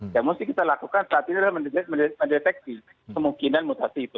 yang mesti kita lakukan saat ini adalah mendeteksi kemungkinan mutasi itu